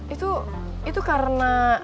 itu itu karena